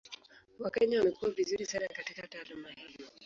Wakenya wamekuwa vizuri sana katika taaluma hii.